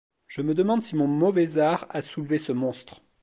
Je me demande si mon mauvais art a soulevé ce monstre.